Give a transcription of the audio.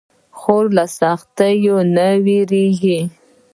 خور له سختیو نه نه وېریږي.